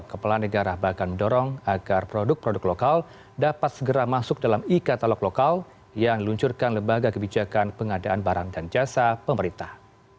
kepala negara bahkan mendorong agar produk produk lokal dapat segera masuk dalam e katalog lokal yang diluncurkan lembaga kebijakan pengadaan barang dan jasa pemerintah